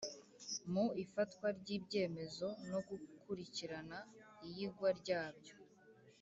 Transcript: mu ifatwa ry ibyemezo no gukurikirana iyigwa ryabyo